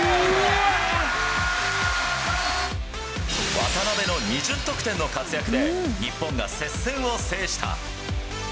渡邊の２０得点の活躍で、日本が接戦を制した。